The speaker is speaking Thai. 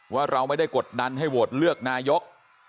ว่าเราไม่ได้กดดันให้โหวตเลือกนายก